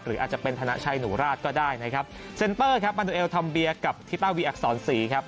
หรืออาจจะเป็นธนชัยหนูราชก็ได้นะครับเซ็นเปอร์ครับมาดูเอลทอมเบียกับทิป้าวีอักษรศรีครับ